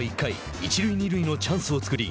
一塁二塁のチャンスを作り